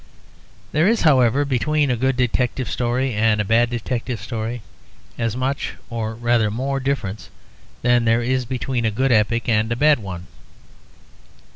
There is, however, between a good detective story and a bad detective story as much, or, rather more, difference than there is between a good epic and a bad one.